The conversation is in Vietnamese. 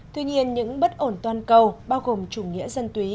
tuy nhiên những bất ổn toàn cầu bao gồm chủ nghĩa dân túy